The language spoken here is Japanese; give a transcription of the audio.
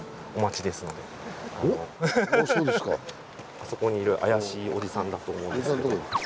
あそこにいる怪しいおじさんだと思うんですけど。